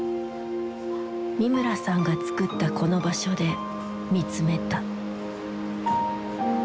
三村さんが作ったこの場所で見つめた。